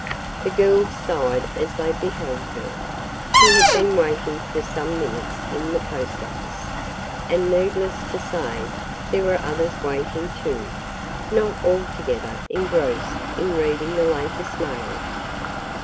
The girls sighed as they beheld her. She had been waiting for some minutes in the post office, and needless to say there were others waiting, too not altogether engrossed in reading the latest mail.